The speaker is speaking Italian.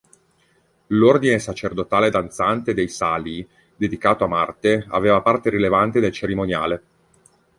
L'ordine sacerdotale danzante dei "Salii", dedicato a Marte, aveva parte rilevante nel cerimoniale.